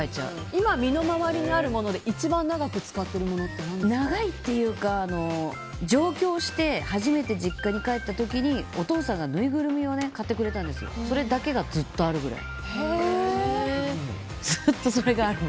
今、身の回りにあるもので一番長く使ってるものって長いっていうか、上京して初めて実家に帰った時にお父さんがぬいぐるみを買ってくれたんですけどそれだけがずっとあるくらい。